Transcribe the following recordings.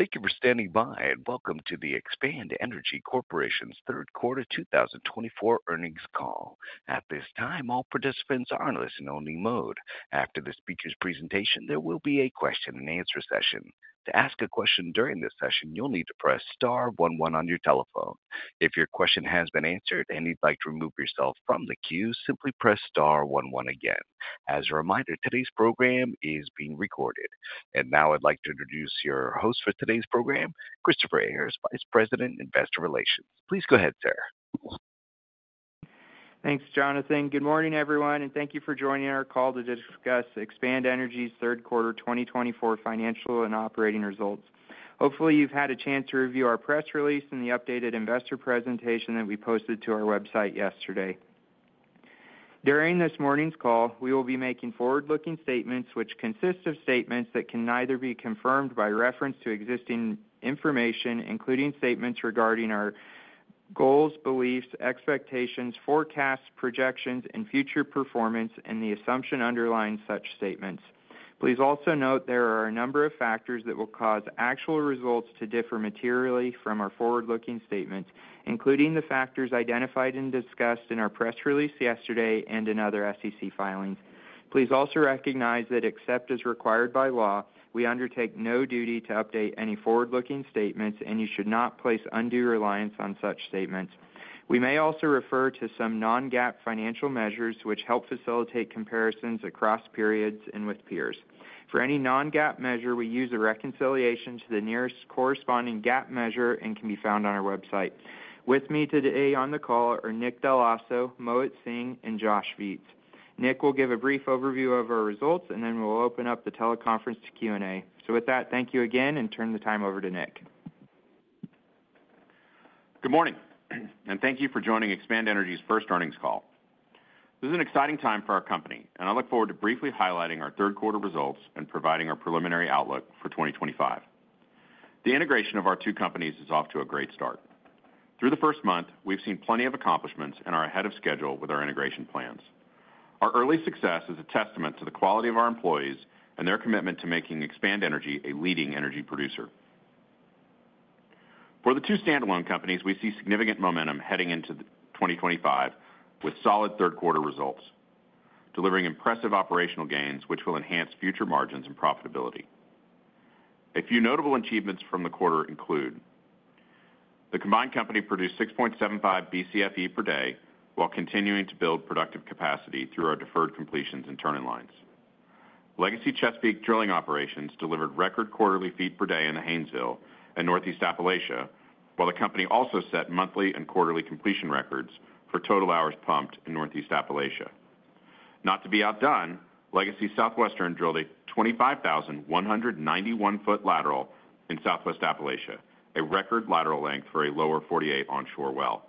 Thank you for standing by, and welcome to the Expand Energy Corporation's third quarter 2024 earnings call. At this time, all participants are in listen-only mode. After this speaker's presentation, there will be a question-and-answer session. To ask a question during this session, you'll need to press star one one on your telephone. If your question has been answered and you'd like to remove yourself from the queue, simply press star one one again. As a reminder, today's program is being recorded, and now I'd like to introduce your host for today's program, Christopher Ayers, Vice President, Investor Relations. Please go ahead, sir. Thanks, Jonathan. Good morning, everyone, and thank you for joining our call to discuss Expand Energy's third quarter 2024 financial and operating results. Hopefully, you've had a chance to review our press release and the updated investor presentation that we posted to our website yesterday. During this morning's call, we will be making forward-looking statements, which consist of statements that can neither be confirmed by reference to existing information, including statements regarding our goals, beliefs, expectations, forecasts, projections, and future performance, and the assumption underlying such statements. Please also note there are a number of factors that will cause actual results to differ materially from our forward-looking statements, including the factors identified and discussed in our press release yesterday and in other SEC filings. Please also recognize that, except as required by law, we undertake no duty to update any forward-looking statements, and you should not place undue reliance on such statements. We may also refer to some non-GAAP financial measures, which help facilitate comparisons across periods and with peers. For any non-GAAP measure, we use a reconciliation to the nearest corresponding GAAP measure and can be found on our website. With me today on the call are Nick Dell'Osso, Mohit Singh, and Josh Viets. Nick will give a brief overview of our results, and then we'll open up the teleconference to Q&A. So with that, thank you again, and turn the time over to Nick. Good morning, and thank you for joining Expand Energy's first earnings call. This is an exciting time for our company, and I look forward to briefly highlighting our third quarter results and providing our preliminary outlook for 2025. The integration of our two companies is off to a great start. Through the first month, we've seen plenty of accomplishments and are ahead of schedule with our integration plans. Our early success is a testament to the quality of our employees and their commitment to making Expand Energy a leading energy producer. For the two standalone companies, we see significant momentum heading into 2025 with solid third quarter results, delivering impressive operational gains, which will enhance future margins and profitability. A few notable achievements from the quarter include: the combined company produced 6.75 BCFE per day while continuing to build productive capacity through our deferred completions and turn-in-lines. Legacy Chesapeake Drilling Operations delivered record quarterly feet per day in the Haynesville and Northeast Appalachia, while the company also set monthly and quarterly completion records for total hours pumped in Northeast Appalachia. Not to be outdone, Legacy Southwestern drilled a 25,191-foot lateral in Southwest Appalachia, a record lateral length for a Lower 48 onshore well.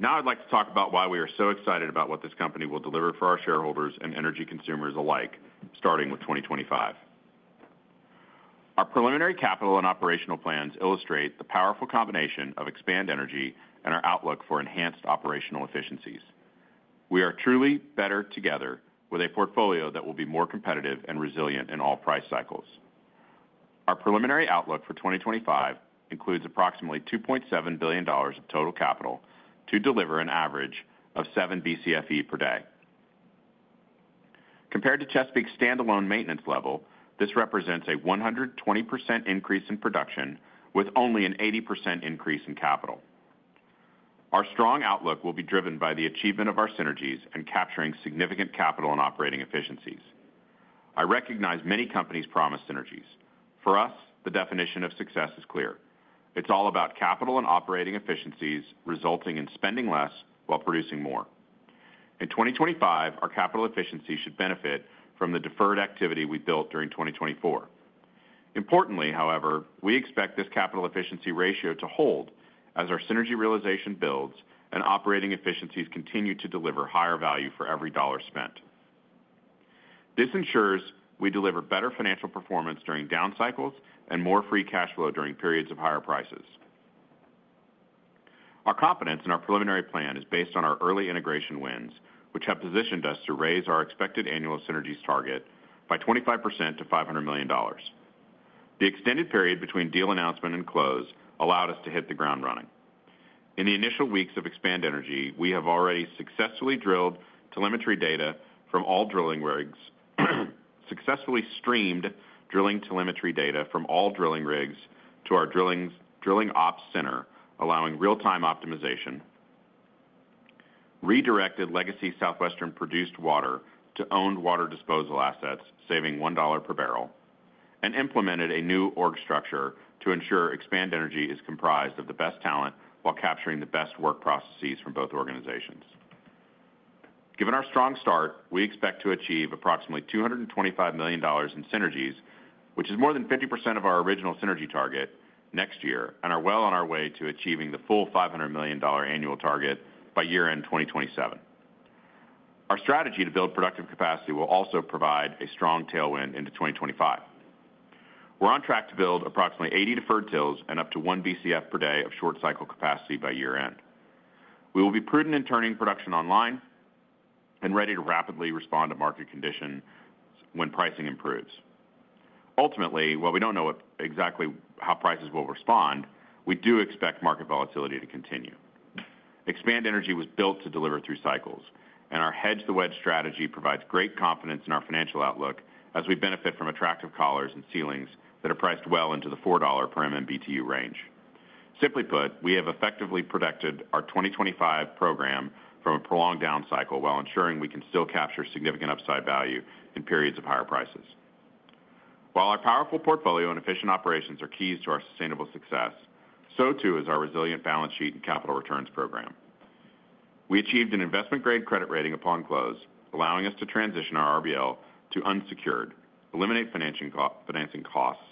Now I'd like to talk about why we are so excited about what this company will deliver for our shareholders and energy consumers alike, starting with 2025. Our preliminary capital and operational plans illustrate the powerful combination of Expand Energy and our outlook for enhanced operational efficiencies. We are truly better together, with a portfolio that will be more competitive and resilient in all price cycles. Our preliminary outlook for 2025 includes approximately $2.7 billion of total capital to deliver an average of 7 BCFE per day. Compared to Chesapeake's standalone maintenance level, this represents a 120% increase in production, with only an 80% increase in capital. Our strong outlook will be driven by the achievement of our synergies and capturing significant capital and operating efficiencies. I recognize many companies promise synergies. For us, the definition of success is clear: it's all about capital and operating efficiencies resulting in spending less while producing more. In 2025, our capital efficiency should benefit from the deferred activity we built during 2024. Importantly, however, we expect this capital efficiency ratio to hold as our synergy realization builds and operating efficiencies continue to deliver higher value for every dollar spent. This ensures we deliver better financial performance during down cycles and more free cash flow during periods of higher prices. Our confidence in our preliminary plan is based on our early integration wins, which have positioned us to raise our expected annual synergies target by 25% to $500 million. The extended period between deal announcement and close allowed us to hit the ground running. In the initial weeks of Expand Energy, we have already successfully drilled telemetry data from all drilling rigs, successfully streamed drilling telemetry data from all drilling rigs to our drilling ops center, allowing real-time optimization, redirected Legacy Southwestern produced water to owned water disposal assets, saving $1 per barrel, and implemented a new org structure to ensure Expand Energy is comprised of the best talent while capturing the best work processes from both organizations. Given our strong start, we expect to achieve approximately $225 million in synergies, which is more than 50% of our original synergy target next year, and are well on our way to achieving the full $500 million annual target by year-end 2027. Our strategy to build productive capacity will also provide a strong tailwind into 2025. We're on track to build approximately 80 deferred TILs and up to 1 BCF per day of short-cycle capacity by year-end. We will be prudent in turning production online and ready to rapidly respond to market conditions when pricing improves. Ultimately, while we don't know exactly how prices will respond, we do expect market volatility to continue. Expand Energy was built to deliver through cycles, and our hedge-to-well strategy provides great confidence in our financial outlook as we benefit from attractive collars and ceilings that are priced well into the $4 per BTU range. Simply put, we have effectively protected our 2025 program from a prolonged down cycle while ensuring we can still capture significant upside value in periods of higher prices. While our powerful portfolio and efficient operations are keys to our sustainable success, so too is our resilient balance sheet and capital returns program. We achieved an investment-grade credit rating upon close, allowing us to transition our RBL to unsecured, eliminate financing costs,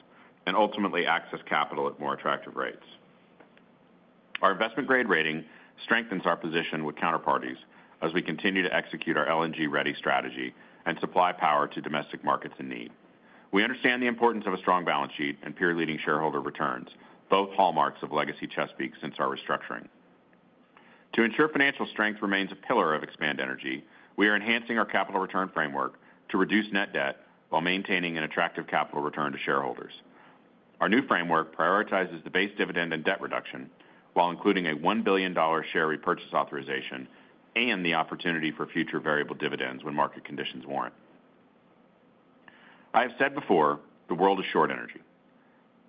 and ultimately access capital at more attractive rates. Our investment-grade rating strengthens our position with counterparties as we continue to execute our LNG-ready strategy and supply power to domestic markets in need. We understand the importance of a strong balance sheet and peer-leading shareholder returns, both hallmarks of Legacy Chesapeake since our restructuring. To ensure financial strength remains a pillar of Expand Energy, we are enhancing our capital return framework to reduce net debt while maintaining an attractive capital return to shareholders. Our new framework prioritizes the base dividend and debt reduction while including a $1 billion share repurchase authorization and the opportunity for future variable dividends when market conditions warrant. I have said before, the world is short energy.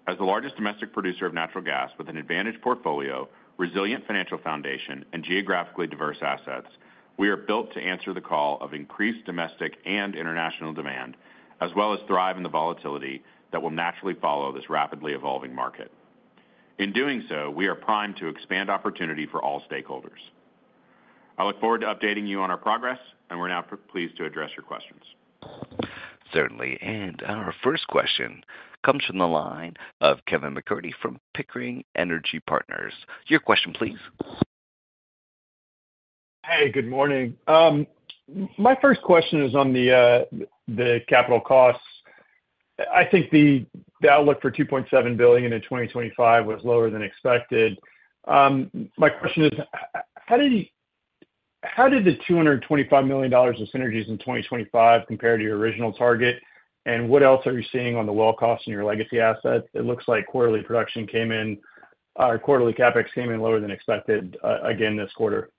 As the largest domestic producer of natural gas with an advantaged portfolio, resilient financial foundation, and geographically diverse assets, we are built to answer the call of increased domestic and international demand, as well as thrive in the volatility that will naturally follow this rapidly evolving market. In doing so, we are primed to expand opportunity for all stakeholders. I look forward to updating you on our progress, and we're now pleased to address your questions. Certainly. And our first question comes from the line of Kevin MacCurdy from Pickering Energy Partners. Your question, please. Hey, good morning. My first question is on the capital costs. I think the outlook for $2.7 billion in 2025 was lower than expected. My question is, how did the $225 million of synergies in 2025 compare to your original target, and what else are you seeing on the well cost in your legacy assets? It looks like quarterly production came in, or quarterly CapEx came in lower than expected again this quarter.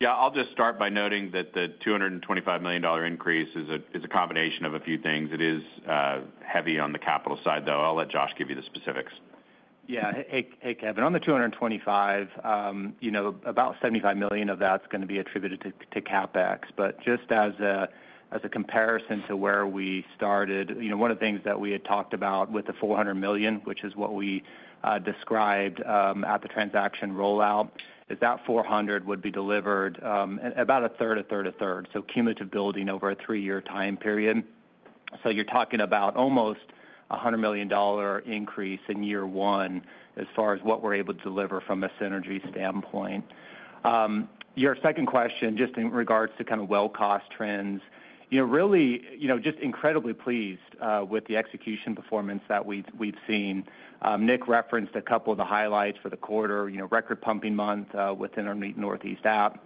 Yeah, I'll just start by noting that the $225 million increase is a combination of a few things. It is heavy on the capital side, though. I'll let Josh give you the specifics. Yeah. Hey, Kevin. On the $225 million, about $75 million of that's going to be attributed to CapEx. But just as a comparison to where we started, one of the things that we had talked about with the $400 million, which is what we described at the transaction rollout, is that $400 million would be delivered about a third, a third, a third. So cumulative building over a three-year time period. So you're talking about almost a $100 million increase in year one as far as what we're able to deliver from a synergy standpoint. Your second question, just in regards to kind of well cost trends, really just incredibly pleased with the execution performance that we've seen. Nick referenced a couple of the highlights for the quarter: record pumping month within our Northeast Appalachia.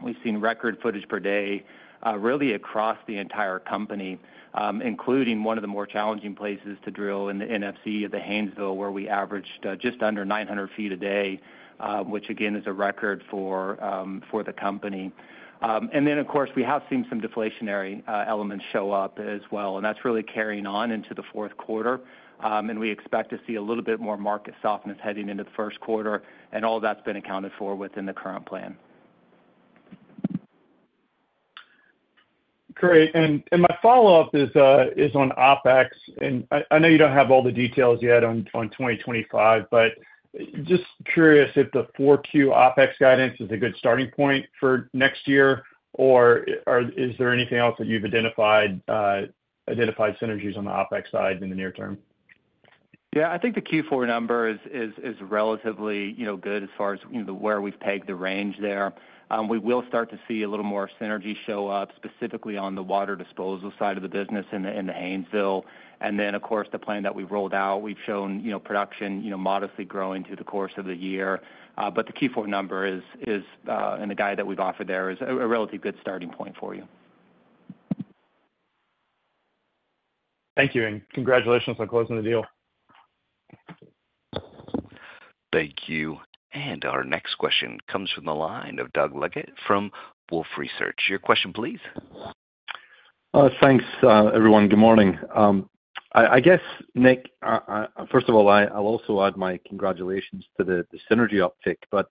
We've seen record footage per day really across the entire company, including one of the more challenging places to drill in the core of the Haynesville, where we averaged just under 900 feet a day, which again is a record for the company. And then, of course, we have seen some deflationary elements show up as well, and that's really carrying on into the fourth quarter. And we expect to see a little bit more market softness heading into the first quarter, and all that's been accounted for within the current plan. Great. And my follow-up is on OpEx. And I know you don't have all the details yet on 2025, but just curious if the 4Q OpEx guidance is a good starting point for next year, or is there anything else that you've identified synergies on the OpEx side in the near term? Yeah, I think the Q4 number is relatively good as far as where we've pegged the range there. We will start to see a little more synergy show up, specifically on the water disposal side of the business in the Haynesville. And then, of course, the plan that we've rolled out, we've shown production modestly growing through the course of the year. But the Q4 number and the guide that we've offered there is a relatively good starting point for you. Thank you. Congratulations on closing the deal. Thank you. And our next question comes from the line of Doug Leggett from Wolfe Research. Your question, please. Thanks, everyone. Good morning. I guess, Nick, first of all, I'll also add my congratulations to the synergy uptick. But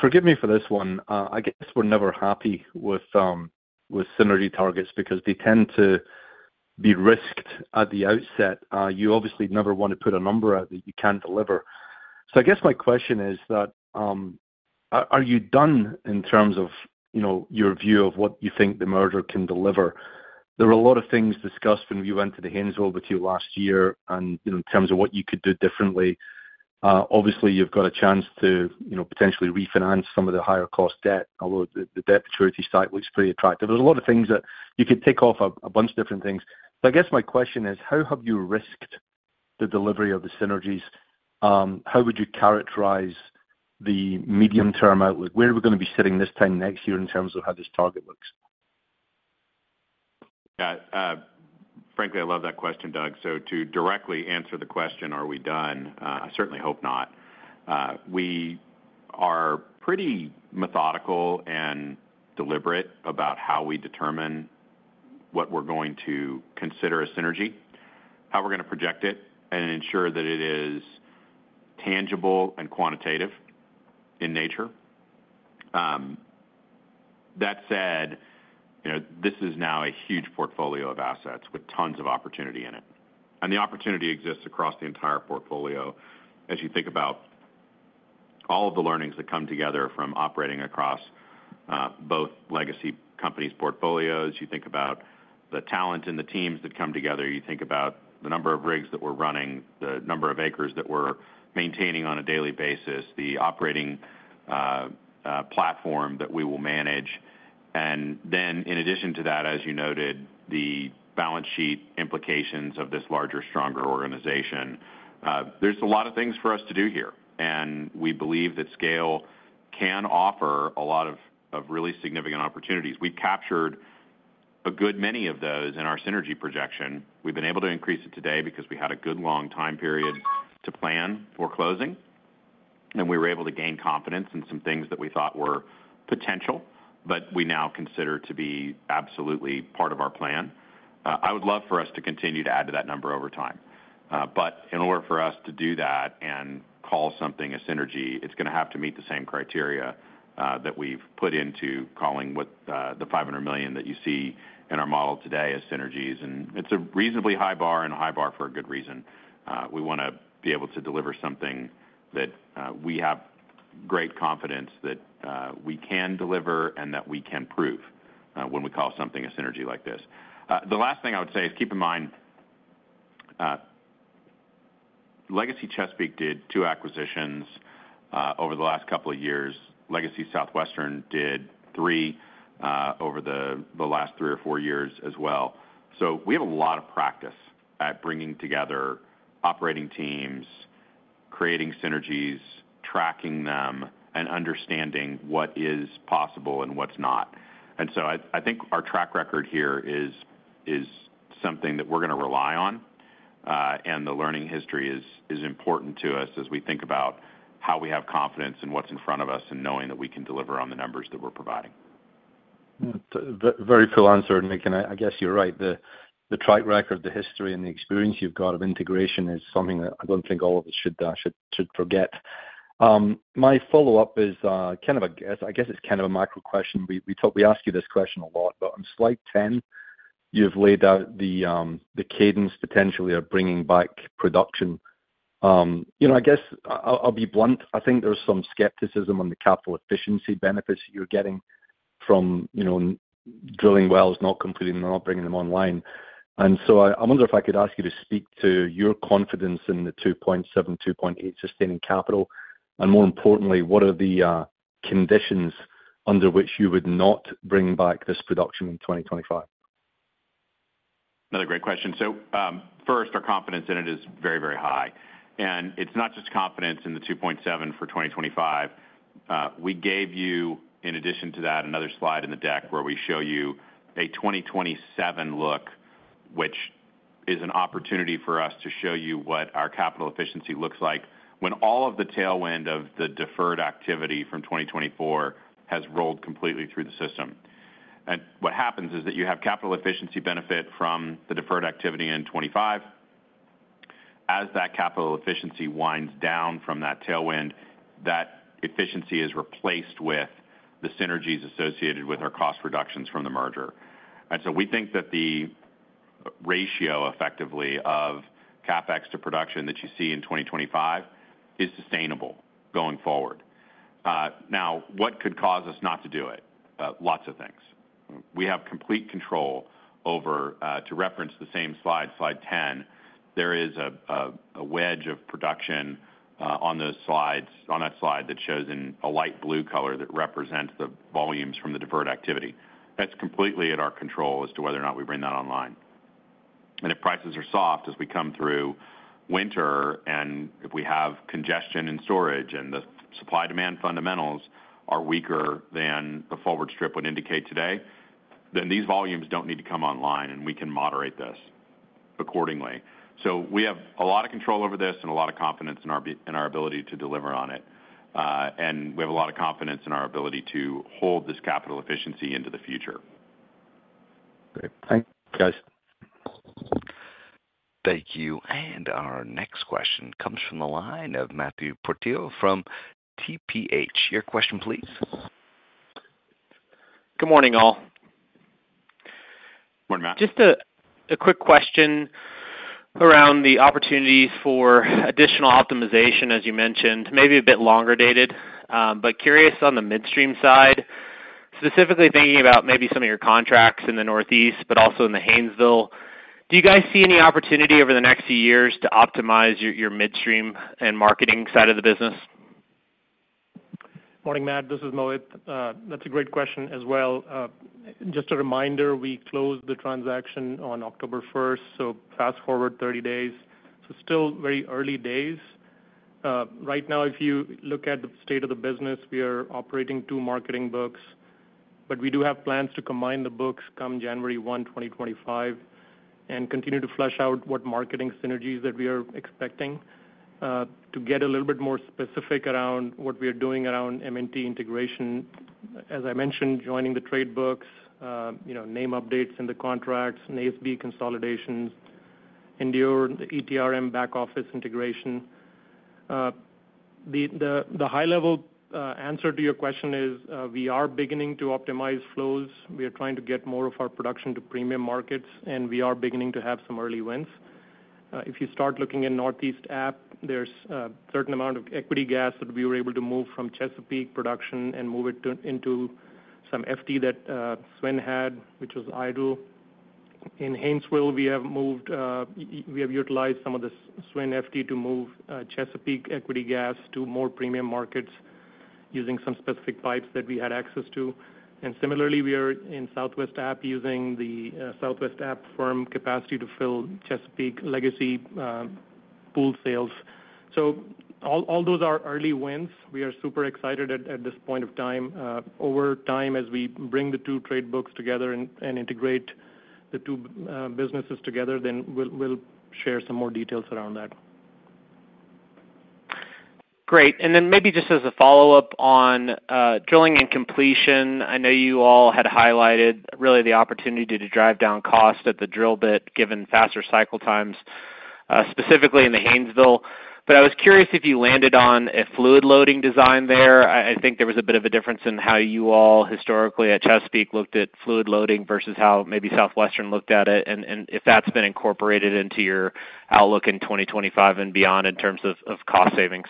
forgive me for this one. I guess we're never happy with synergy targets because they tend to be risked at the outset. You obviously never want to put a number out that you can't deliver. So I guess my question is that, are you done in terms of your view of what you think the merger can deliver? There were a lot of things discussed when we went to the Haynesville with you last year in terms of what you could do differently. Obviously, you've got a chance to potentially refinance some of the higher cost debt, although the debt maturity site looks pretty attractive. There's a lot of things that you could tick off a bunch of different things. So I guess my question is, how have you risked the delivery of the synergies? How would you characterize the medium-term outlook? Where are we going to be sitting this time next year in terms of how this target looks? Yeah. Frankly, I love that question, Doug. So to directly answer the question, are we done? I certainly hope not. We are pretty methodical and deliberate about how we determine what we're going to consider a synergy, how we're going to project it, and ensure that it is tangible and quantitative in nature. That said, this is now a huge portfolio of assets with tons of opportunity in it, and the opportunity exists across the entire portfolio. As you think about all of the learnings that come together from operating across both legacy companies' portfolios, you think about the talent in the teams that come together, you think about the number of rigs that we're running, the number of acres that we're maintaining on a daily basis, the operating platform that we will manage. And then, in addition to that, as you noted, the balance sheet implications of this larger, stronger organization. There is a lot of things for us to do here. We believe that scale can offer a lot of really significant opportunities. We have captured a good many of those in our synergy projection. We have been able to increase it today because we had a good long time period to plan for closing. We were able to gain confidence in some things that we thought were potential, but we now consider to be absolutely part of our plan. I would love for us to continue to add to that number over time. In order for us to do that and call something a synergy, it is going to have to meet the same criteria that we have put into calling the $500 million that you see in our model today as synergies. It's a reasonably high bar and a high bar for a good reason. We want to be able to deliver something that we have great confidence that we can deliver and that we can prove when we call something a synergy like this. The last thing I would say is keep in mind, Legacy Chesapeake did two acquisitions over the last couple of years. Legacy Southwestern did three over the last three or four years as well. We have a lot of practice at bringing together operating teams, creating synergies, tracking them, and understanding what is possible and what's not. I think our track record here is something that we're going to rely on. The learning history is important to us as we think about how we have confidence in what's in front of us and knowing that we can deliver on the numbers that we're providing. Very full answer, Nick. And I guess you're right. The track record, the history, and the experience you've got of integration is something that I don't think all of us should forget. My follow-up is kind of a, I guess it's kind of a micro question. We ask you this question a lot, but on slide 10, you've laid out the cadence potentially of bringing back production. I guess I'll be blunt. I think there's some skepticism on the capital efficiency benefits that you're getting from drilling wells, not completing them, not bringing them online. And so I wonder if I could ask you to speak to your confidence in the 2.7, 2.8 sustaining capital. And more importantly, what are the conditions under which you would not bring back this production in 2025? Another great question. So first, our confidence in it is very, very high. And it's not just confidence in the 2.7 for 2025. We gave you, in addition to that, another slide in the deck where we show you a 2027 look, which is an opportunity for us to show you what our capital efficiency looks like when all of the tailwind of the deferred activity from 2024 has rolled completely through the system. And what happens is that you have capital efficiency benefit from the deferred activity in 2025. As that capital efficiency winds down from that tailwind, that efficiency is replaced with the synergies associated with our cost reductions from the merger. And so we think that the ratio effectively of CapEx to production that you see in 2025 is sustainable going forward. Now, what could cause us not to do it? Lots of things. We have complete control over, to reference the same slide, Slide 10. There is a wedge of production on that slide that shows, in a light blue color, the volumes from the deferred activity. That's completely at our control as to whether or not we bring that online, and if prices are soft as we come through winter, and if we have congestion in storage and the supply-demand fundamentals are weaker than the forward strip would indicate today, then these volumes don't need to come online, and we can moderate this accordingly, so we have a lot of control over this and a lot of confidence in our ability to deliver on it, and we have a lot of confidence in our ability to hold this capital efficiency into the future. Great. Thank you, guys. Thank you. And our next question comes from the line of Matthew Portillo from TPH. Your question, please. Good morning, all. Good morning, Matt. Just a quick question around the opportunities for additional optimization, as you mentioned, maybe a bit longer dated, but curious on the midstream side, specifically thinking about maybe some of your contracts in the Northeast, but also in the Haynesville. Do you guys see any opportunity over the next few years to optimize your midstream and marketing side of the business? Morning, Matt. This is Mohit. That's a great question as well. Just a reminder, we closed the transaction on October 1st, so fast forward 30 days. So still very early days. Right now, if you look at the state of the business, we are operating two marketing books. But we do have plans to combine the books come January 1, 2025, and continue to flesh out what marketing synergies that we are expecting to get a little bit more specific around what we are doing around M&A integration. As I mentioned, joining the trade books, name updates in the contracts, NAESB consolidations, Endur, the ETRM back office integration. The high-level answer to your question is we are beginning to optimize flows. We are trying to get more of our production to premium markets, and we are beginning to have some early wins. If you start looking in Northeast Appalachia, there's a certain amount of equity gas that we were able to move from Chesapeake production and move it into some FT that SWN had, which was idle. In Haynesville, we have moved, we have utilized some of the SWN FT to move Chesapeake equity gas to more premium markets using some specific pipes that we had access to. And similarly, we are in Southwest Appalachia using the Southwest Appalachia firm capacity to fill Chesapeake legacy pool sales. So all those are early wins. We are super excited at this point of time. Over time, as we bring the two trade books together and integrate the two businesses together, then we'll share some more details around that. Great. And then maybe just as a follow-up on drilling and completion, I know you all had highlighted really the opportunity to drive down cost at the drill bit given faster cycle times, specifically in the Haynesville. But I was curious if you landed on a fluid loading design there. I think there was a bit of a difference in how you all historically at Chesapeake looked at fluid loading versus how maybe Southwestern looked at it, and if that's been incorporated into your outlook in 2025 and beyond in terms of cost savings.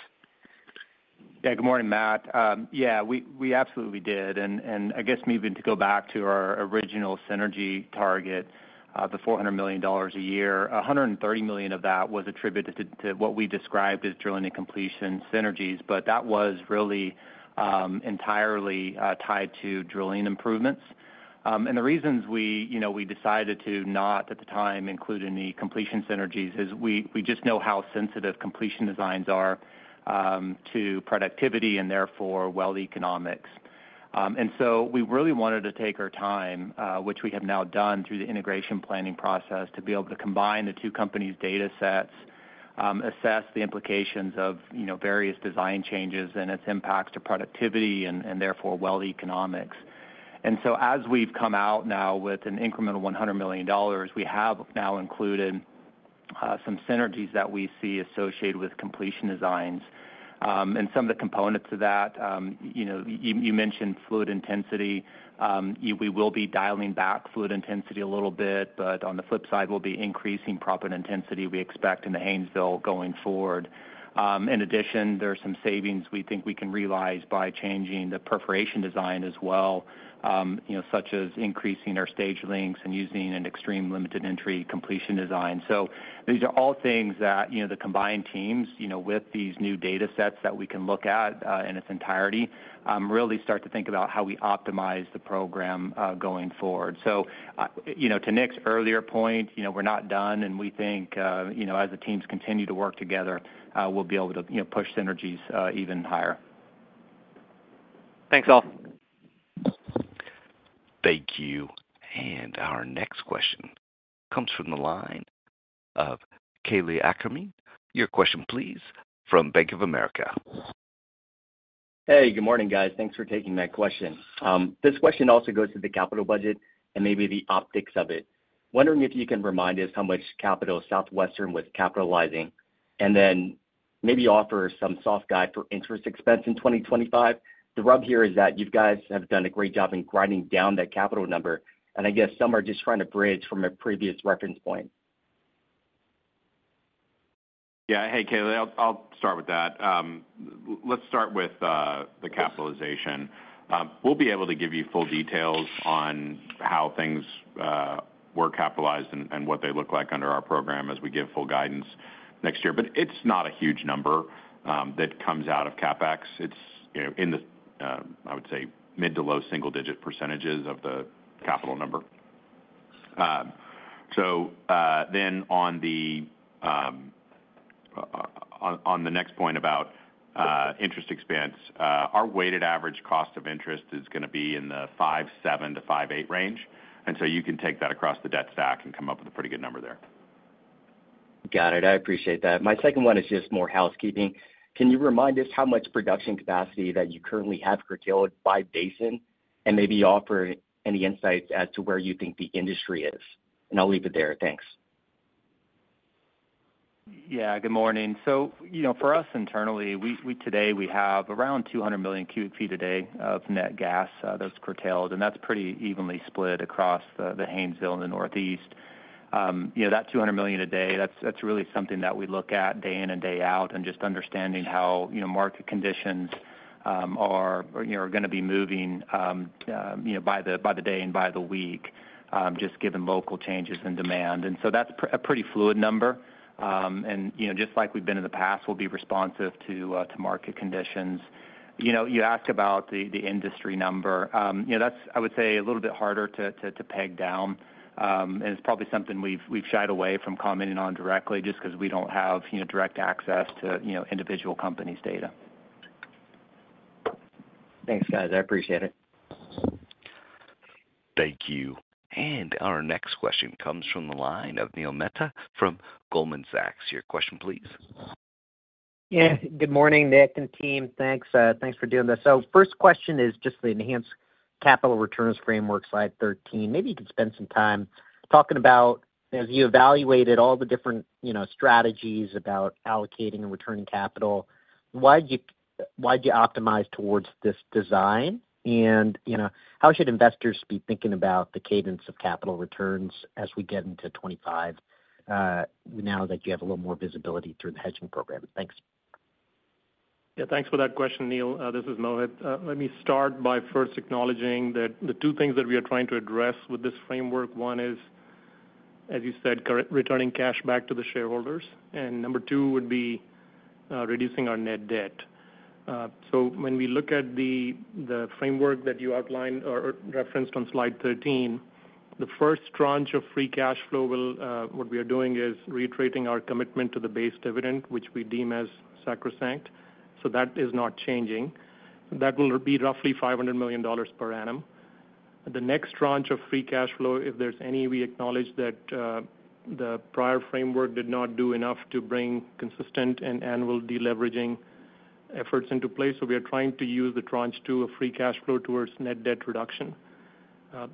Yeah, good morning, Matt. Yeah, we absolutely did. I guess moving to go back to our original synergy target, the $400 million a year, $130 million of that was attributed to what we described as drilling and completion synergies. But that was really entirely tied to drilling improvements. The reasons we decided to not, at the time, include any completion synergies is we just know how sensitive completion designs are to productivity and therefore well economics. So we really wanted to take our time, which we have now done through the integration planning process, to be able to combine the two companies' data sets, assess the implications of various design changes and its impacts to productivity and therefore well economics. So as we've come out now with an incremental $100 million, we have now included some synergies that we see associated with completion designs. Some of the components of that, you mentioned fluid intensity. We will be dialing back fluid intensity a little bit, but on the flip side, we'll be increasing proppant intensity we expect in the Haynesville going forward. In addition, there are some savings we think we can realize by changing the perforation design as well, such as increasing our stage lengths and using an extreme limited entry completion design. These are all things that the combined teams with these new data sets that we can look at in its entirety really start to think about how we optimize the program going forward. To Nick's earlier point, we're not done. We think as the teams continue to work together, we'll be able to push synergies even higher. Thanks, all. Thank you. And our next question comes from the line of Kalei Akamine. Your question, please, from Bank of America. Hey, good morning, guys. Thanks for taking that question. This question also goes to the capital budget and maybe the optics of it. Wondering if you can remind us how much capital Southwestern was capitalizing and then maybe offer some soft guide for interest expense in 2025. The rub here is that you guys have done a great job in grinding down that capital number, and I guess some are just trying to bridge from a previous reference point. Yeah. Hey, Kalei, I'll start with that. Let's start with the capitalization. We'll be able to give you full details on how things were capitalized and what they look like under our program as we give full guidance next year. But it's not a huge number that comes out of CapEx. It's in the, I would say, mid- to low-single-digit percentages of the capital number. So then on the next point about interest expense, our weighted average cost of interest is going to be in the 5.7-5.8 range. And so you can take that across the debt stack and come up with a pretty good number there. Got it. I appreciate that. My second one is just more housekeeping. Can you remind us how much production capacity that you currently have curtailed by basin and maybe offer any insights as to where you think the industry is? And I'll leave it there. Thanks. Yeah, good morning. So for us internally, today we have around 200 million cubic feet a day of net gas that's curtailed. And that's pretty evenly split across the Haynesville and the Northeast. That 200 million a day, that's really something that we look at day in and day out and just understanding how market conditions are going to be moving by the day and by the week, just given local changes in demand. And so that's a pretty fluid number. And just like we've been in the past, we'll be responsive to market conditions. You ask about the industry number, that's, I would say, a little bit harder to pin down. And it's probably something we've shied away from commenting on directly just because we don't have direct access to individual companies' data. Thanks, guys. I appreciate it. Thank you. And our next question comes from the line of Neil Mehta from Goldman Sachs. Your question, please. Yeah. Good morning, Nick and team. Thanks for doing this. So first question is just the enhanced capital returns framework slide 13. Maybe you could spend some time talking about, as you evaluated all the different strategies about allocating and returning capital, why did you optimize towards this design? And how should investors be thinking about the cadence of capital returns as we get into 2025 now that you have a little more visibility through the hedging program? Thanks. Yeah, thanks for that question, Neil. This is Mohit. Let me start by first acknowledging that the two things that we are trying to address with this framework, one is, as you said, returning cash back to the shareholders, and number two would be reducing our net debt, so when we look at the framework that you outlined or referenced on slide 13, the first tranche of free cash flow, what we are doing is reiterating our commitment to the base dividend, which we deem as sacrosanct, so that is not changing. That will be roughly $500 million per annum. The next tranche of free cash flow, if there's any, we acknowledge that the prior framework did not do enough to bring consistent and annual deleveraging efforts into place. So we are trying to use the tranche two of free cash flow towards net debt reduction,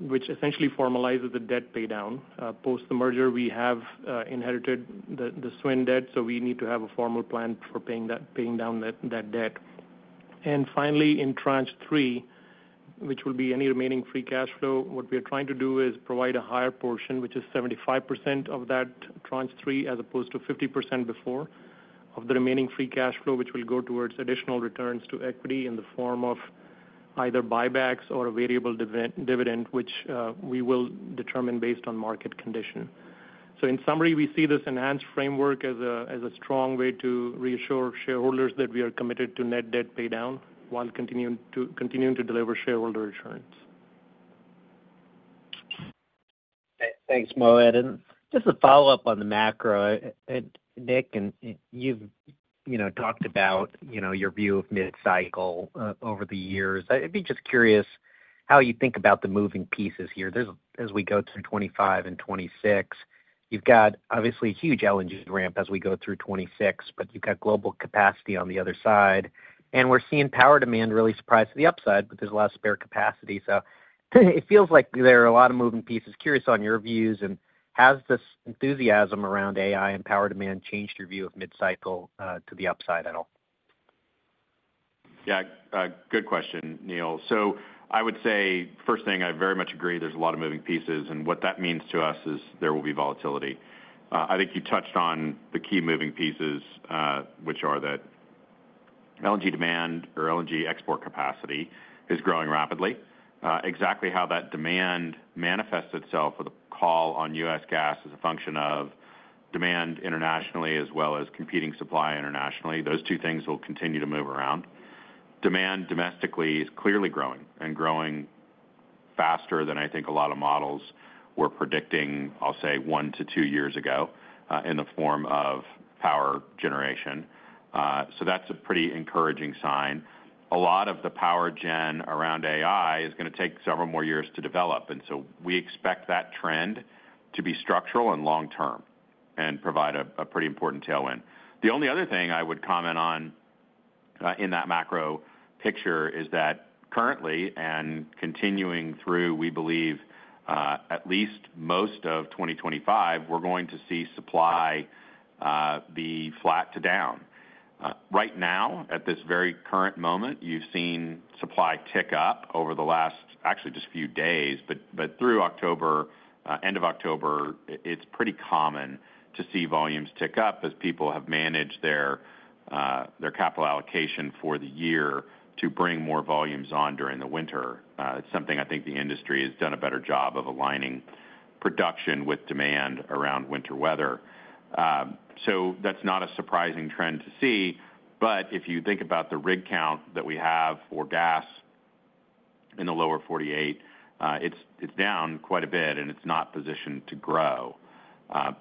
which essentially formalizes the debt paydown. Post the merger, we have inherited the SWN debt, so we need to have a formal plan for paying down that debt. And finally, in tranche three, which will be any remaining free cash flow, what we are trying to do is provide a higher portion, which is 75% of that tranche three as opposed to 50% before of the remaining free cash flow, which will go towards additional returns to equity in the form of either buybacks or a variable dividend, which we will determine based on market condition. So in summary, we see this enhanced framework as a strong way to reassure shareholders that we are committed to net debt paydown while continuing to deliver shareholder returns. Thanks, Mohit, and just a follow-up on the macro, Nick, and you've talked about your view of mid-cycle over the years. I'd be just curious how you think about the moving pieces here. As we go through 2025 and 2026, you've got obviously a huge LNG ramp as we go through 2026, but you've got global capacity on the other side, and we're seeing power demand really surprise to the upside, but there's a lot of spare capacity, so it feels like there are a lot of moving pieces. Curious on your views and has this enthusiasm around AI and power demand changed your view of mid-cycle to the upside at all? Yeah. Good question, Neil. So I would say, first thing, I very much agree there's a lot of moving pieces. And what that means to us is there will be volatility. I think you touched on the key moving pieces, which are that LNG demand or LNG export capacity is growing rapidly. Exactly how that demand manifests itself with a call on U.S. gas as a function of demand internationally as well as competing supply internationally, those two things will continue to move around. Demand domestically is clearly growing and growing faster than I think a lot of models were predicting, I'll say, one to two years ago in the form of power generation. So that's a pretty encouraging sign. A lot of the power gen around AI is going to take several more years to develop. And so we expect that trend to be structural and long-term and provide a pretty important tailwind. The only other thing I would comment on in that macro picture is that currently and continuing through, we believe, at least most of 2025, we're going to see supply be flat to down. Right now, at this very current moment, you've seen supply tick up over the last, actually, just a few days, but through October, end of October, it's pretty common to see volumes tick up as people have managed their capital allocation for the year to bring more volumes on during the winter. It's something I think the industry has done a better job of aligning production with demand around winter weather. So that's not a surprising trend to see. But if you think about the rig count that we have for gas in the Lower 48, it's down quite a bit, and it's not positioned to grow.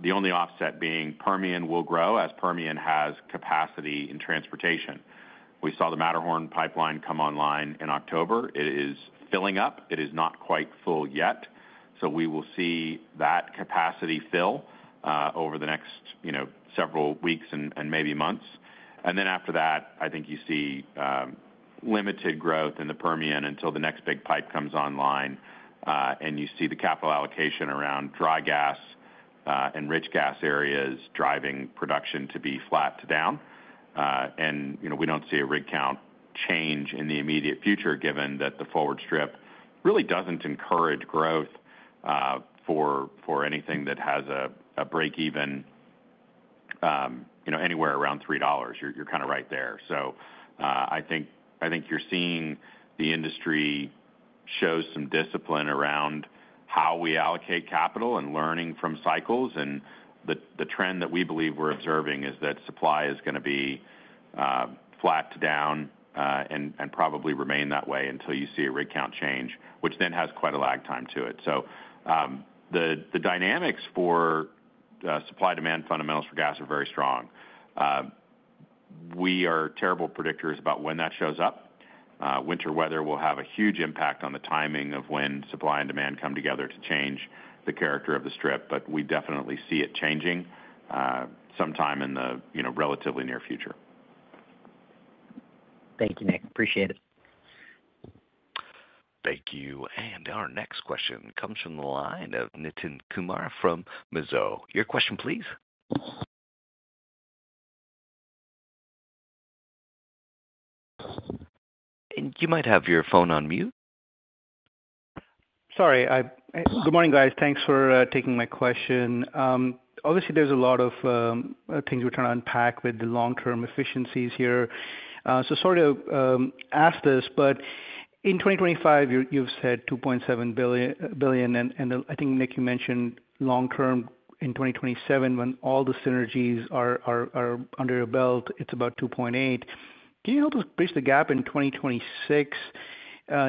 The only offset being Permian will grow as Permian has capacity in transportation. We saw the Matterhorn pipeline come online in October. It is filling up. It is not quite full yet. So we will see that capacity fill over the next several weeks and maybe months. And then after that, I think you see limited growth in the Permian until the next big pipe comes online. And you see the capital allocation around dry gas and rich gas areas driving production to be flat to down. And we don't see a rig count change in the immediate future, given that the forward strip really doesn't encourage growth for anything that has a break-even anywhere around $3. You're kind of right there. So I think you're seeing the industry show some discipline around how we allocate capital and learning from cycles. And the trend that we believe we're observing is that supply is going to be flat to down and probably remain that way until you see a rig count change, which then has quite a lag time to it. So the dynamics for supply-demand fundamentals for gas are very strong. We are terrible predictors about when that shows up. Winter weather will have a huge impact on the timing of when supply and demand come together to change the character of the strip. But we definitely see it changing sometime in the relatively near future. Thank you, Nick. Appreciate it. Thank you. And our next question comes from the line of Nitin Kumar from Mizuho. Your question, please. And you might have your phone on mute. Sorry. Good morning, guys. Thanks for taking my question. Obviously, there's a lot of things we're trying to unpack with the long-term efficiencies here. So sorry to ask this, but in 2025, you've said 2.7 billion. And I think, Nick, you mentioned long-term in 2027 when all the synergies are under your belt, it's about 2.8. Can you help us bridge the gap in 2026?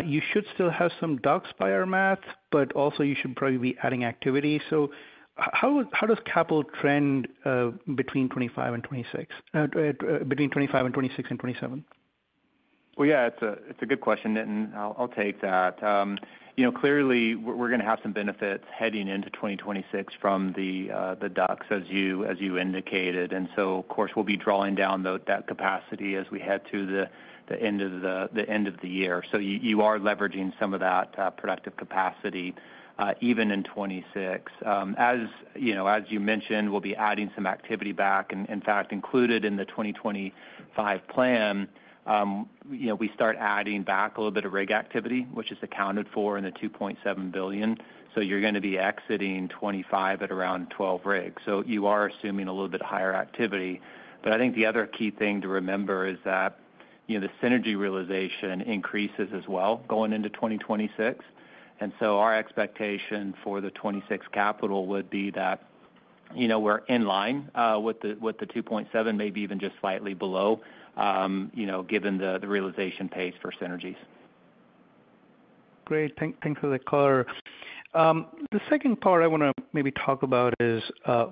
You should still have some DUCs by our math, but also you should probably be adding activity. So how does capital trend between 2025 and 2026, between 2025 and 2026 and 2027? Yeah, it's a good question, Nitin. I'll take that. Clearly, we're going to have some benefits heading into 2026 from the DUCs, as you indicated. And so, of course, we'll be drawing down that capacity as we head to the end of the year. So you are leveraging some of that productive capacity even in 2026. As you mentioned, we'll be adding some activity back. In fact, included in the 2025 plan, we start adding back a little bit of rig activity, which is accounted for in the 2.7 billion. So you're going to be exiting 2025 at around 12 rigs. So you are assuming a little bit higher activity. But I think the other key thing to remember is that the synergy realization increases as well going into 2026. Our expectation for the 2026 capital would be that we're in line with the 2.7, maybe even just slightly below, given the realization pace for synergies. Great. Thanks for the color. The second part I want to maybe talk about is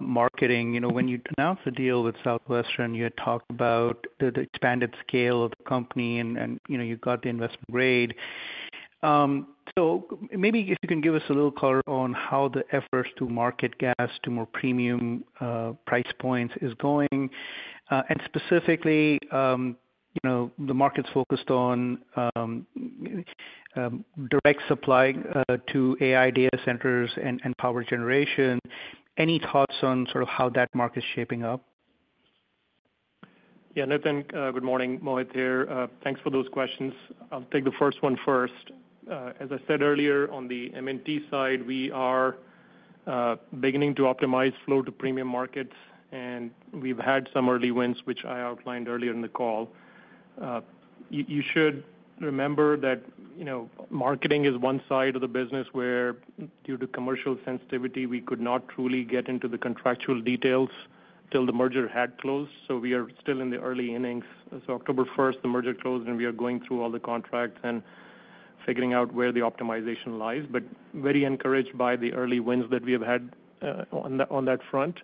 marketing. When you announced the deal with Southwestern, you had talked about the expanded scale of the company, and you got the investment grade. So maybe if you can give us a little color on how the efforts to market gas to more premium price points is going. And specifically, the market's focused on direct supply to AI data centers and power generation. Any thoughts on sort of how that market's shaping up? Yeah, Nitin, good morning. Mohit here. Thanks for those questions. I'll take the first one first. As I said earlier, on the M&T side, we are beginning to optimize flow to premium markets, and we've had some early wins, which I outlined earlier in the call. You should remember that marketing is one side of the business where, due to commercial sensitivity, we could not truly get into the contractual details till the merger had closed, so we are still in the early innings, so October 1st, the merger closed, and we are going through all the contracts and figuring out where the optimization lies, but very encouraged by the early wins that we have had on that front.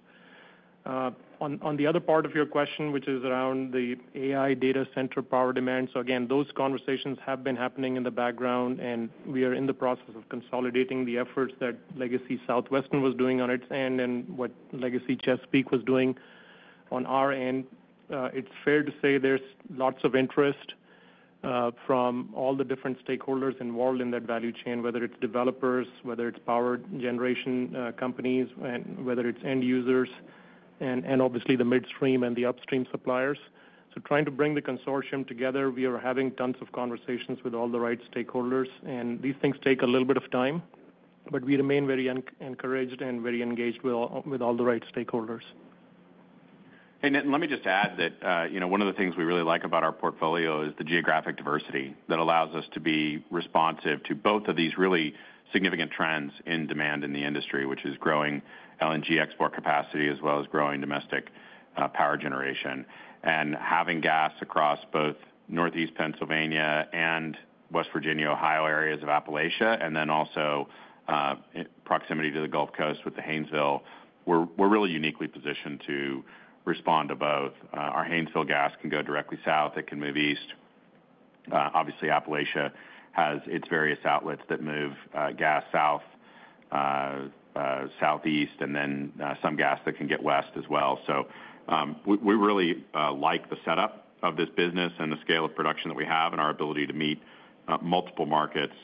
On the other part of your question, which is around the AI data center power demand, so again, those conversations have been happening in the background, and we are in the process of consolidating the efforts that Legacy Southwestern was doing on its end and what Legacy Chesapeake was doing on our end. It's fair to say there's lots of interest from all the different stakeholders involved in that value chain, whether it's developers, whether it's power generation companies, and whether it's end users, and obviously the midstream and the upstream suppliers, so trying to bring the consortium together, we are having tons of conversations with all the right stakeholders, and these things take a little bit of time, but we remain very encouraged and very engaged with all the right stakeholders. Hey, Nitin, let me just add that one of the things we really like about our portfolio is the geographic diversity that allows us to be responsive to both of these really significant trends in demand in the industry, which is growing LNG export capacity as well as growing domestic power generation, and having gas across both Northeast Pennsylvania and West Virginia, Ohio areas of Appalachia, and then also proximity to the Gulf Coast with the Haynesville, we're really uniquely positioned to respond to both. Our Haynesville gas can go directly south. It can move east. Obviously, Appalachia has its various outlets that move gas south, southeast, and then some gas that can get west as well. So we really like the setup of this business and the scale of production that we have and our ability to meet multiple markets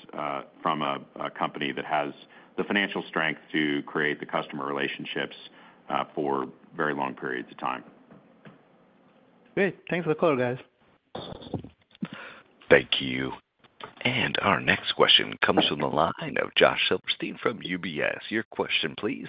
from a company that has the financial strength to create the customer relationships for very long periods of time. Great. Thanks for the color, guys. Thank you. And our next question comes from the line of Josh Silverstein from UBS. Your question, please.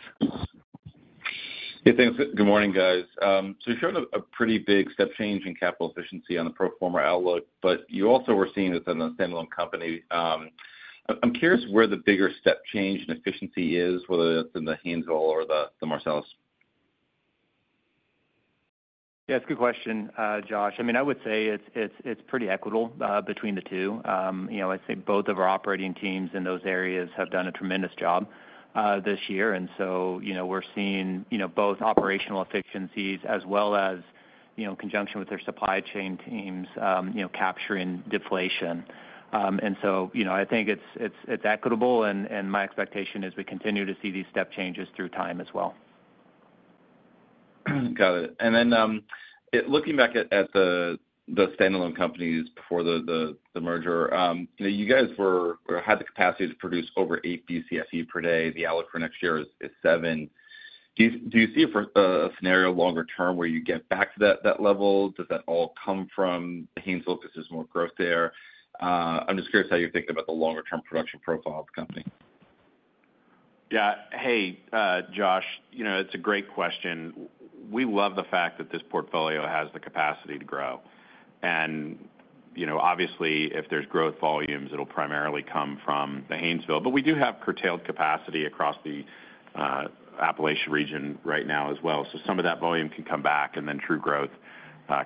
Hey, thanks. Good morning, guys. So you showed a pretty big step change in capital efficiency on the pro forma outlook, but you also were seen as a standalone company. I'm curious where the bigger step change in efficiency is, whether that's in the Haynesville or the Marcellus. Yeah, it's a good question, Josh. I mean, I would say it's pretty equitable between the two. I think both of our operating teams in those areas have done a tremendous job this year. And so we're seeing both operational efficiencies as well as, in conjunction with their supply chain teams, capturing deflation. And so I think it's equitable, and my expectation is we continue to see these step changes through time as well. Got it. And then looking back at the standalone companies before the merger, you guys had the capacity to produce over eight BCFE per day. The outlook for next year is seven. Do you see a scenario longer term where you get back to that level? Does that all come from the Haynesville because there's more growth there? I'm just curious how you're thinking about the longer-term production profile of the company. Yeah. Hey, Josh, it's a great question. We love the fact that this portfolio has the capacity to grow. And obviously, if there's growth volumes, it'll primarily come from the Haynesville. But we do have curtailed capacity across the Appalachia region right now as well. So some of that volume can come back, and then true growth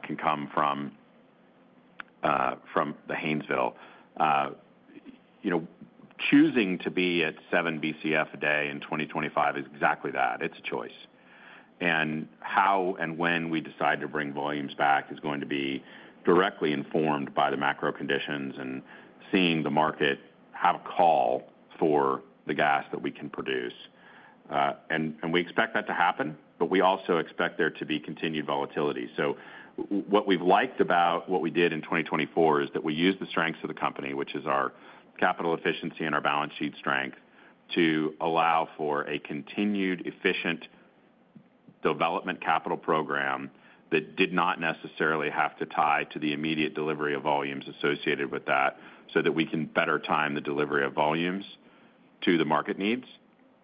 can come from the Haynesville. Choosing to be at 7 BCF a day in 2025 is exactly that. It's a choice. And how and when we decide to bring volumes back is going to be directly informed by the macro conditions and seeing the market have a call for the gas that we can produce. And we expect that to happen, but we also expect there to be continued volatility. So what we've liked about what we did in 2024 is that we used the strengths of the company, which is our capital efficiency and our balance sheet strength, to allow for a continued efficient development capital program that did not necessarily have to tie to the immediate delivery of volumes associated with that so that we can better time the delivery of volumes to the market needs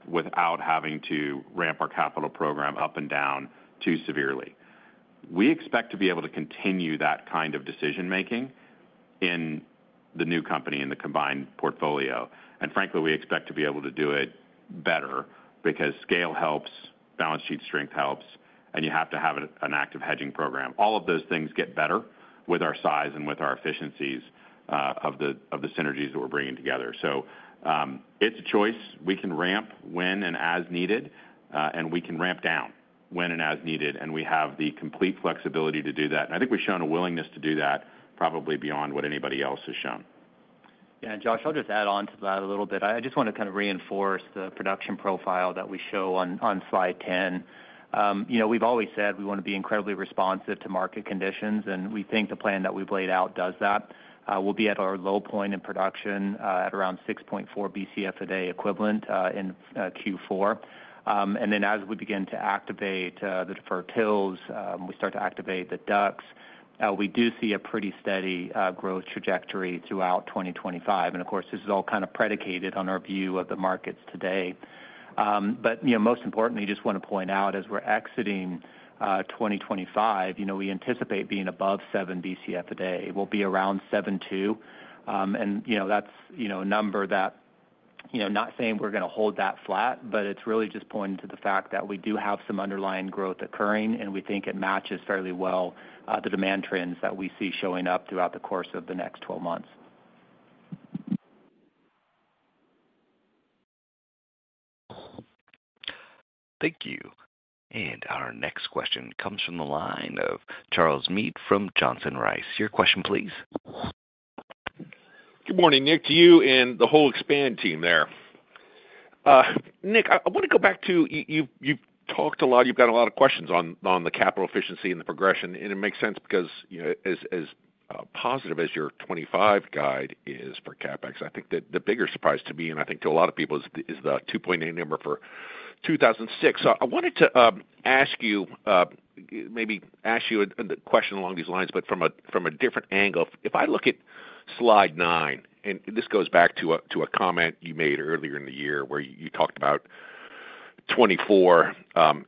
without having to ramp our capital program up and down too severely. We expect to be able to continue that kind of decision-making in the new company in the combined portfolio. And frankly, we expect to be able to do it better because scale helps, balance sheet strength helps, and you have to have an active hedging program. All of those things get better with our size and with our efficiencies of the synergies that we're bringing together. So it's a choice. We can ramp when and as needed, and we can ramp down when and as needed. And we have the complete flexibility to do that. And I think we've shown a willingness to do that probably beyond what anybody else has shown. Yeah. And Josh, I'll just add on to that a little bit. I just want to kind of reinforce the production profile that we show on slide 10. We've always said we want to be incredibly responsive to market conditions, and we think the plan that we've laid out does that. We'll be at our low point in production at around 6.4 BCF a day equivalent in Q4. And then as we begin to activate the deferred TILs, we start to activate the DUCs, we do see a pretty steady growth trajectory throughout 2025. And of course, this is all kind of predicated on our view of the markets today. But most importantly, just want to point out, as we're exiting 2025, we anticipate being above 7 BCF a day. We'll be around 7.2. That's a number that I'm not saying we're going to hold that flat, but it's really just pointing to the fact that we do have some underlying growth occurring, and we think it matches fairly well the demand trends that we see showing up throughout the course of the next 12 months. Thank you. And our next question comes from the line of Charles Mead from Johnson Rice. Your question, please. Good morning, Nick, to you and the whole Expand team there. Nick, I want to go back to you've talked a lot. You've got a lot of questions on the capital efficiency and the progression. It makes sense because as positive as your 2025 guide is for CapEx, I think the bigger surprise to me, and I think to a lot of people, is the 2.8 number for 2026. So I wanted to ask you, maybe ask you a question along these lines, but from a different angle. If I look at slide 9, and this goes back to a comment you made earlier in the year where you talked about '24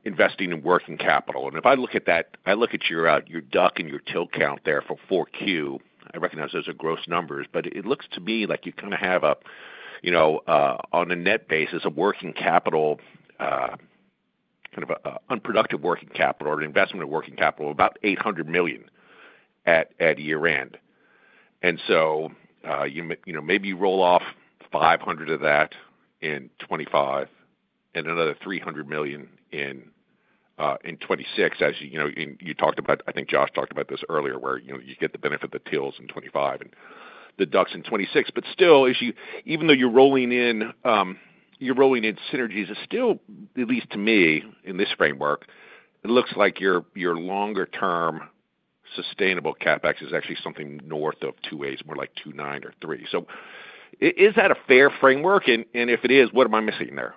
investing in working capital. If I look at that, I look at your DUC and your TIL count there for 4Q. I recognize those are gross numbers, but it looks to me like you kind of have, on a net basis, a working capital, kind of an unproductive working capital or an investment of working capital of about $800 million at year-end. And so maybe you roll off $500 million of that in 2025 and another $300 million in 2026, as you talked about. I think Josh talked about this earlier where you get the benefit of the TILs in 2025 and the DUCs in 2026. But still, even though you're rolling in synergies, it's still, at least to me in this framework, it looks like your longer-term sustainable CapEx is actually something north of $2.8 billion, more like $2.9 billion or $3 billion. So is that a fair framework? And if it is, what am I missing there?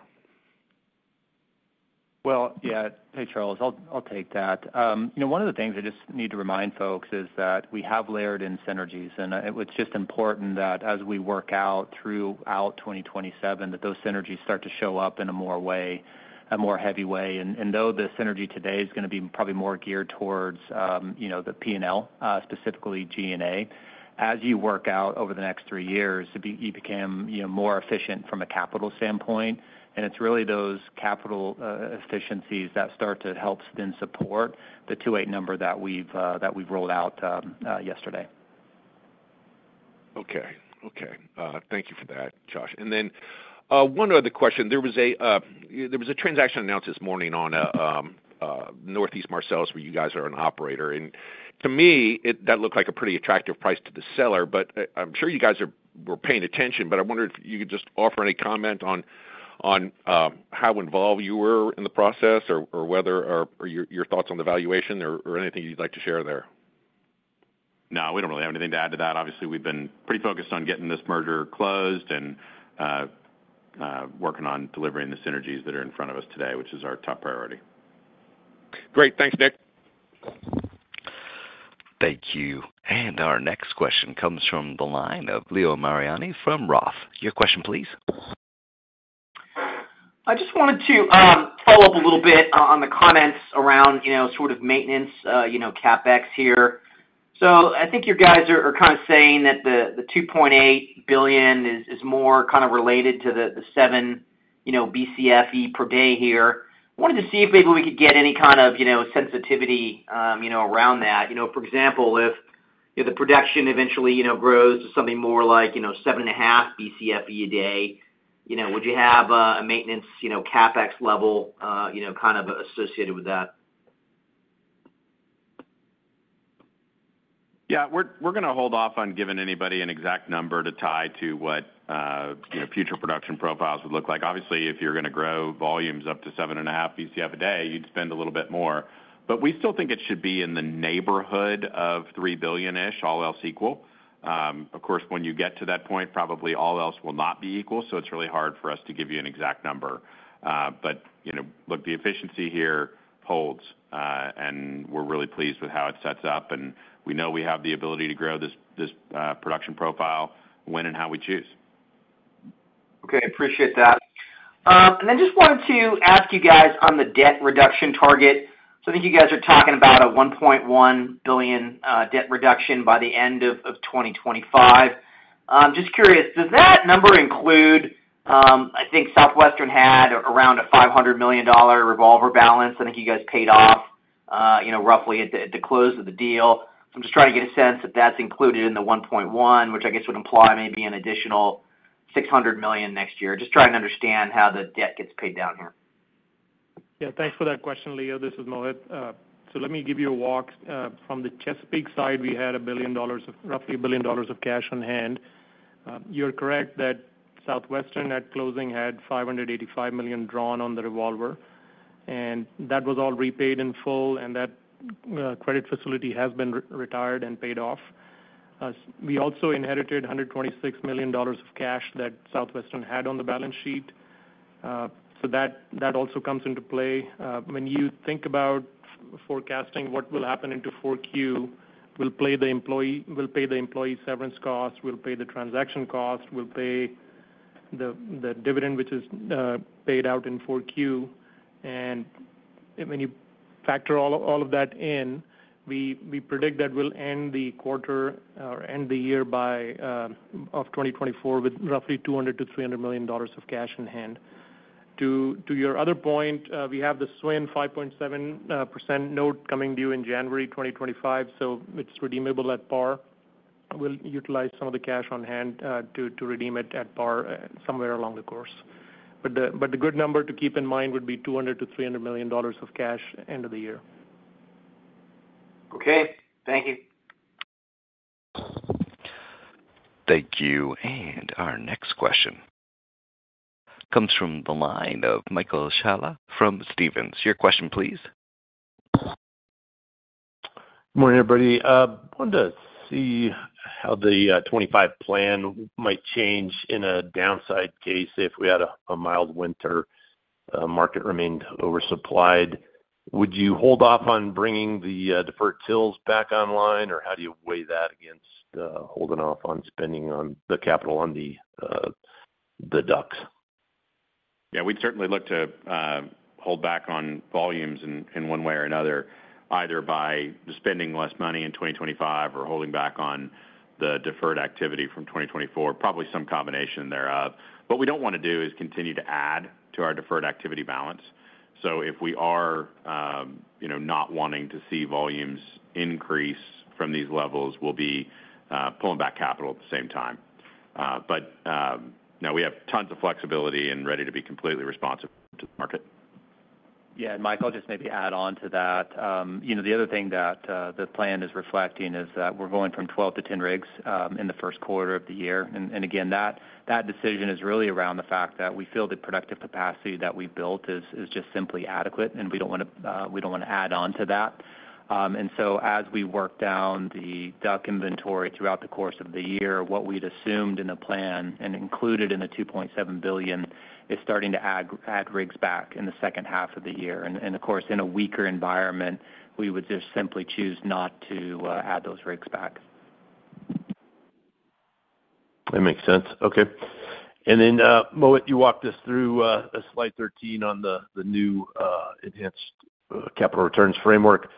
Yeah. Hey, Charles. I'll take that. One of the things I just need to remind folks is that we have layered in synergies, and it's just important that as we work out throughout 2027, that those synergies start to show up in a more heavy way. Though the synergy today is going to be probably more geared towards the P&L, specifically G&A, as you work out over the next three years, you become more efficient from a capital standpoint. It's really those capital efficiencies that start to help then support the 2.8 number that we've rolled out yesterday. Okay. Okay. Thank you for that, Josh. And then one other question. There was a transaction announced this morning on Northeast Marcellus where you guys are an operator. And to me, that looked like a pretty attractive price to the seller, but I'm sure you guys were paying attention. But I wonder if you could just offer any comment on how involved you were in the process or your thoughts on the valuation or anything you'd like to share there. No, we don't really have anything to add to that. Obviously, we've been pretty focused on getting this merger closed and working on delivering the synergies that are in front of us today, which is our top priority. Great. Thanks, Nick. Thank you. And our next question comes from the line of Leo Mariani from Roth. Your question, please. I just wanted to follow up a little bit on the comments around sort of maintenance CapEx here. So I think your guys are kind of saying that the $2.8 billion is more kind of related to the 7 BCFE per day here. I wanted to see if maybe we could get any kind of sensitivity around that. For example, if the production eventually grows to something more like 7.5 BCFE a day, would you have a maintenance CapEx level kind of associated with that? Yeah. We're going to hold off on giving anybody an exact number to tie to what future production profiles would look like. Obviously, if you're going to grow volumes up to 7.5 BCF a day, you'd spend a little bit more. But we still think it should be in the neighborhood of $3 billion-ish, all else equal. Of course, when you get to that point, probably all else will not be equal. So it's really hard for us to give you an exact number. But look, the efficiency here holds, and we're really pleased with how it sets up, and we know we have the ability to grow this production profile when and how we choose. Okay. Appreciate that. And then just wanted to ask you guys on the debt reduction target. So I think you guys are talking about a $1.1 billion debt reduction by the end of 2025. Just curious, does that number include, I think Southwestern had around a $500 million revolver balance. I think you guys paid off roughly at the close of the deal. So I'm just trying to get a sense if that's included in the $1.1 billion, which I guess would imply maybe an additional $600 million next year. Just trying to understand how the debt gets paid down here. Yeah. Thanks for that question, Leo. This is Mohit. So let me give you a walk. From the Chesapeake side, we had $1 billion, roughly $1 billion of cash on hand. You're correct that Southwestern at closing had $585 million drawn on the revolver. And that was all repaid in full, and that credit facility has been retired and paid off. We also inherited $126 million of cash that Southwestern had on the balance sheet. So that also comes into play. When you think about forecasting what will happen into 4Q, we'll pay the employee severance costs. We'll pay the transaction costs. We'll pay the dividend, which is paid out in 4Q, and when you factor all of that in, we predict that we'll end the quarter or end the year of 2024 with roughly $200 million-$300 million of cash in hand. To your other point, we have the SWN 5.7% note coming due in January 2025, so it's redeemable at par. We'll utilize some of the cash on hand to redeem it at par somewhere along the course, but the good number to keep in mind would be $200 million-$300 million of cash end of the year. Okay. Thank you. Thank you. And our next question comes from the line of Michael Scialla from Stephens. Your question, please. Good morning, everybody. I wanted to see how the 2025 plan might change in a downside case if we had a mild winter, market remained oversupplied. Would you hold off on bringing the deferred TILs back online, or how do you weigh that against holding off on spending the capital on the DUCs? Yeah. We'd certainly look to hold back on volumes in one way or another, either by spending less money in 2025 or holding back on the deferred activity from 2024, probably some combination thereof. What we don't want to do is continue to add to our deferred activity balance. So if we are not wanting to see volumes increase from these levels, we'll be pulling back capital at the same time. But no, we have tons of flexibility and ready to be completely responsive to the market. Yeah. And Michael, just maybe add on to that. The other thing that the plan is reflecting is that we're going from 12 to 10 rigs in the first quarter of the year. And again, that decision is really around the fact that we feel the productive capacity that we've built is just simply adequate, and we don't want to add on to that. And so as we work down the DUC inventory throughout the course of the year, what we'd assumed in the plan and included in the 2.7 billion is starting to add rigs back in the second half of the year. And of course, in a weaker environment, we would just simply choose not to add those rigs back. That makes sense. Okay. And then, Mohit, you walked us through S`lide 13 on the new enhanced capital returns framework.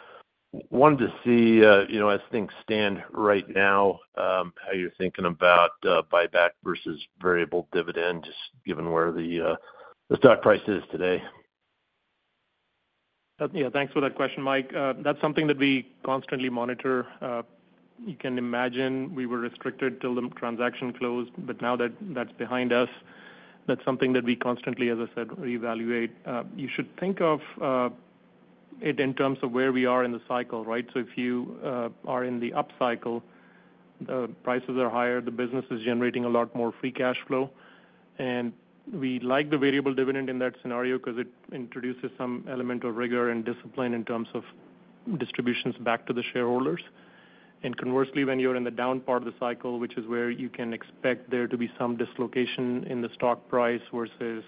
Wanted to see, as things stand right now, how you're thinking about buyback versus variable dividend, just given where the stock price is today. Yeah. Thanks for that question, Mike. That's something that we constantly monitor. You can imagine we were restricted till the transaction closed, but now that that's behind us, that's something that we constantly, as I said, reevaluate. You should think of it in terms of where we are in the cycle, right? So if you are in the upcycle, the prices are higher, the business is generating a lot more free cash flow. And we like the variable dividend in that scenario because it introduces some element of rigor and discipline in terms of distributions back to the shareholders. And conversely, when you're in the down part of the cycle, which is where you can expect there to be some dislocation in the stock price versus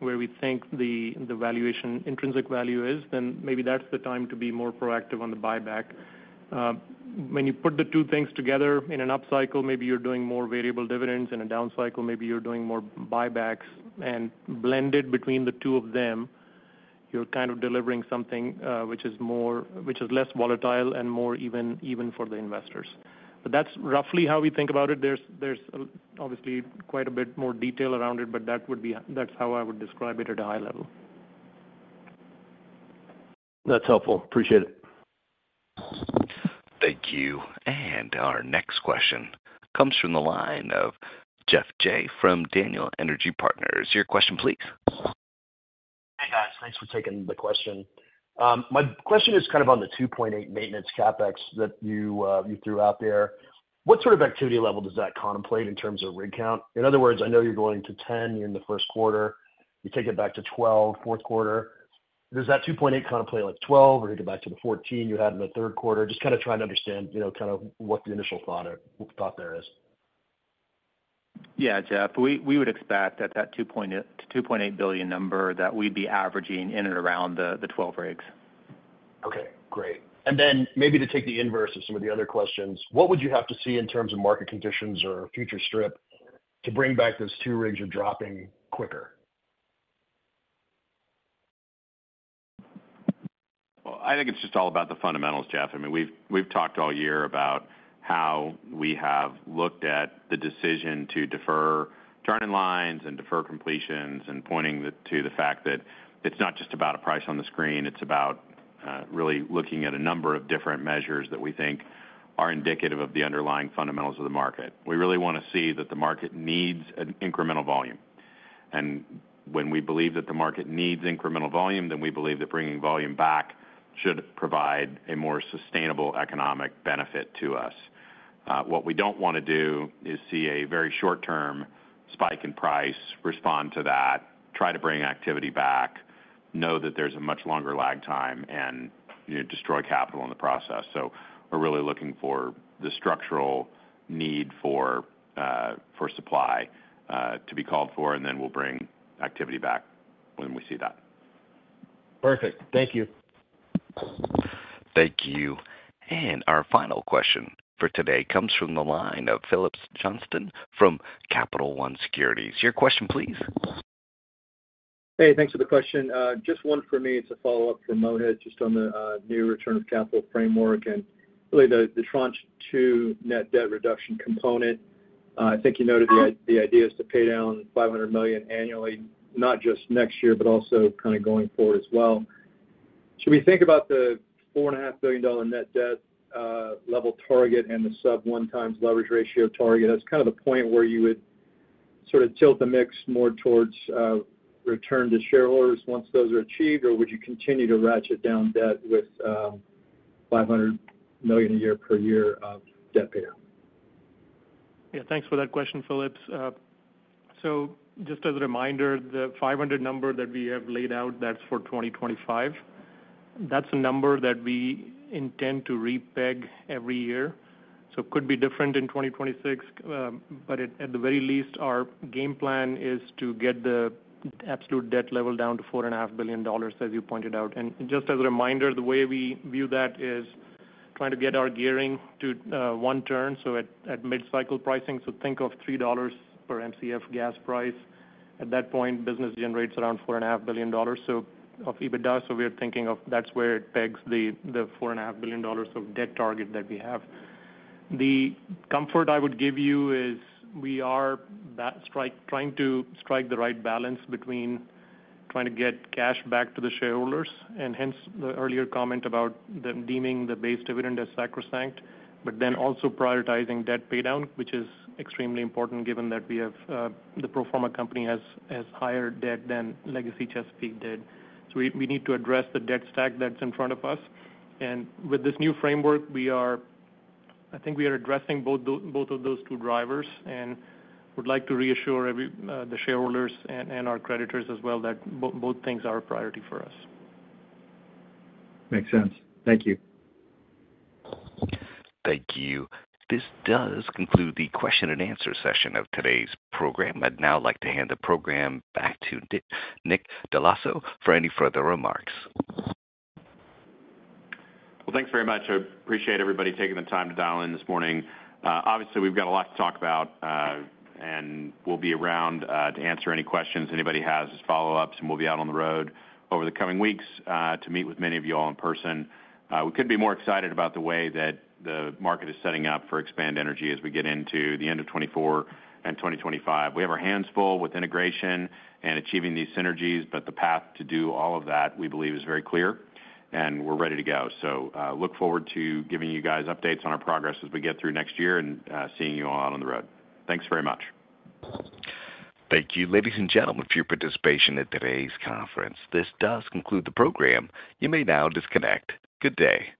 where we think the valuation, intrinsic value is, then maybe that's the time to be more proactive on the buyback. When you put the two things together in an upcycle, maybe you're doing more variable dividends. In a downcycle, maybe you're doing more buybacks, and blended between the two of them, you're kind of delivering something which is less volatile and more even for the investors, but that's roughly how we think about it. There's obviously quite a bit more detail around it, but that's how I would describe it at a high level. That's helpful. Appreciate it. Thank you. And our next question comes from the line of Geoff Jay from Daniel Energy Partners. Your question, please. Hey, guys. Thanks for taking the question. My question is kind of on the $2.8 maintenance CapEx that you threw out there. What sort of activity level does that contemplate in terms of rig count? In other words, I know you're going to 10 in the first quarter. You take it back to 12, fourth quarter. Does that $2.8 contemplate like 12, or do you go back to the 14 you had in the third quarter? Just kind of trying to understand kind of what the initial thought there is. Yeah, Geoff. We would expect at that 2.8 billion number that we'd be averaging in and around the 12 rigs. Okay. Great. And then maybe to take the inverse of some of the other questions, what would you have to see in terms of market conditions or future strip to bring back those two rigs or dropping quicker? I think it's just all about the fundamentals, Geoff. I mean, we've talked all year about how we have looked at the decision to defer turn-in lines and defer completions and pointing to the fact that it's not just about a price on the screen. It's about really looking at a number of different measures that we think are indicative of the underlying fundamentals of the market. We really want to see that the market needs an incremental volume. And when we believe that the market needs incremental volume, then we believe that bringing volume back should provide a more sustainable economic benefit to us. What we don't want to do is see a very short-term spike in price, respond to that, try to bring activity back, know that there's a much longer lag time, and destroy capital in the process. So we're really looking for the structural need for supply to be called for, and then we'll bring activity back when we see that. Perfect. Thank you. Thank you. And our final question for today comes from the line of Phillips Johnston from Capital One Securities. Your question, please. Hey, thanks for the question. Just one for me to follow up for Mohit just on the new return of capital framework and really the tranche two net debt reduction component. I think you noted the idea is to pay down $500 million annually, not just next year, but also kind of going forward as well. Should we think about the $4.5 billion net debt level target and the sub one times leverage ratio target? That's kind of the point where you would sort of tilt the mix more towards return to shareholders once those are achieved, or would you continue to ratchet down debt with $500 million a year per year of debt payout? Yeah. Thanks for that question, Phillips. So just as a reminder, the 500 number that we have laid out, that's for 2025. That's a number that we intend to repeg every year. So it could be different in 2026, but at the very least, our game plan is to get the absolute debt level down to $4.5 billion, as you pointed out. And just as a reminder, the way we view that is trying to get our gearing to one turn, so at mid-cycle pricing. So think of $3 per MCF gas price. At that point, business generates around $4.5 billion of EBITDA. So we're thinking of that's where it pegs the $4.5 billion of debt target that we have. The comfort I would give you is we are trying to strike the right balance between trying to get cash back to the shareholders and hence the earlier comment about deeming the base dividend as sacrosanct, but then also prioritizing debt paydown, which is extremely important given that the pro forma company has higher debt than legacy Chesapeake did. So we need to address the debt stack that's in front of us. And with this new framework, I think we are addressing both of those two drivers and would like to reassure the shareholders and our creditors as well that both things are a priority for us. Makes sense. Thank you. Thank you. This does conclude the question and answer session of today's program. I'd now like to hand the program back to Nick Dell’Osso for any further remarks. Thanks very much. I appreciate everybody taking the time to dial in this morning. Obviously, we've got a lot to talk about, and we'll be around to answer any questions anybody has as follow-ups, and we'll be out on the road over the coming weeks to meet with many of you all in person. We couldn't be more excited about the way that the market is setting up for Expand Energy as we get into the end of 2024 and 2025. We have our hands full with integration and achieving these synergies, but the path to do all of that we believe is very clear, and we're ready to go. Look forward to giving you guys updates on our progress as we get through next year and seeing you all out on the road. Thanks very much. Thank you, ladies and gentlemen, for your participation in today's conference. This does conclude the program. You may now disconnect. Good day.